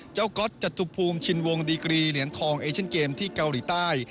ก๊อตจตุภูมิชินวงดีกรีเหรียญทองเอเชนเกมที่เกาหลีใต้